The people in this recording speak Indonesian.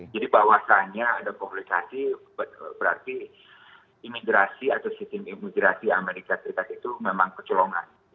jadi bahwasannya ada komplikasi berarti imigrasi atau sistem imigrasi amerika serikat itu memang kecolongan